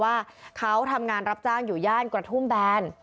ว่าเขาทำงานรับจ้างอยู่ย่านกระทุ่มแบน